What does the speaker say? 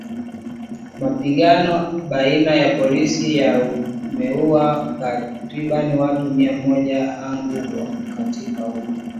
Mapigano baina ya polisi yameuwa takriban watu mia moja angu wakati huo